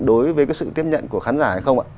đối với sự tiếp nhận của khán giả hay không